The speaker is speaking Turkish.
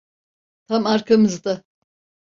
Tam arkamızda.